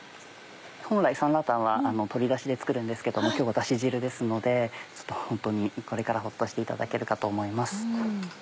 本来酸辣湯は鶏ダシで作るんですけども今日はダシ汁ですのでホントにこれからホッとしていただけるかと思います。